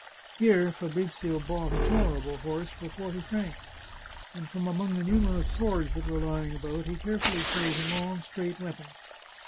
Here Fabrizio bought a tolerable horse for forty francs, and from among the numerous swords that were lying about he carefully chose a long, straight weapon.